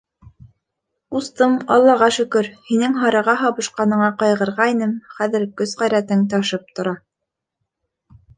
— Ҡустым, Аллаға шөкөр, һинең һарыға һабышҡаныңа ҡайғырғайным, хәҙер көс-ғәйрәтең ташып тора.